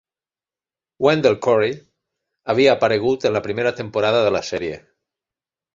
Wendell Corey havia aparegut en la primera temporada de la sèrie.